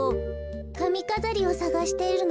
かみかざりをさがしているの。